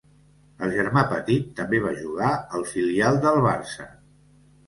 El germà petit també va jugar al filial del Barça.